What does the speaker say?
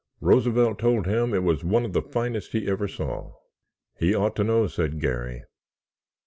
Roosevelt told him it was one of the finest he ever saw." "He ought to know," said Garry.